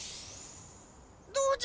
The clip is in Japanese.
どうじゃ？